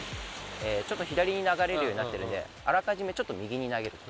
ちょっと左に流れるようになってるんであらかじめちょっと右に投げるとか。